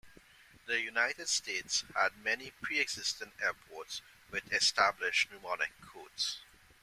The United States had many pre-existing airports with established mnemonic codes.